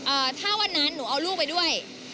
ถ้าวันนั้นหนูเอาลูกไปด้วย